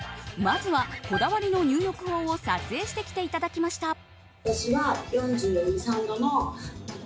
まずは、こだわりの入浴法を撮影してきていただきました。